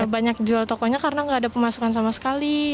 banyak jual tokonya karena nggak ada pemasukan sama sekali